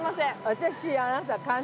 私あなた。